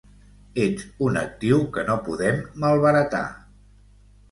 Ets un actiu que no podem malbaratar.